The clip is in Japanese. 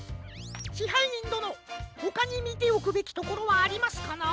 支配人どのほかにみておくべきところはありますかな？